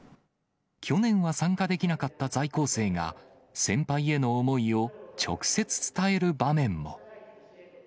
去年は参加できなかった在校生が、先輩への思いを直接伝える場面も。